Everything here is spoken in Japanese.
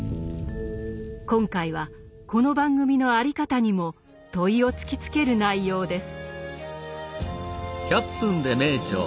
今回はこの番組の在り方にも問いを突きつける内容です。